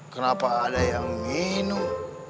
kenapa ada yang minum